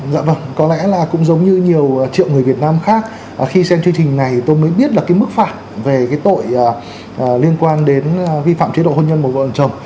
dạ vâng có lẽ là cũng giống như nhiều triệu người việt nam khác khi xem chương trình này tôi mới biết là cái mức phạt về cái tội liên quan đến vi phạm chế độ hôn nhân của vợ chồng